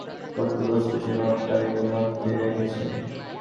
অন্যকে রুখতে এরা নিজেদের ধ্বংস করতে প্রস্তুত, সেই প্রমাণ তারা ইতিমধ্যে রেখেছে।